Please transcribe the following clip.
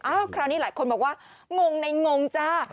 คราวนี้หลายคนบอกว่างงในงงจ้า